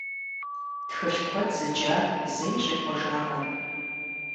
Тхылъ куэд зыджа зэи щӀегъуэжакъым.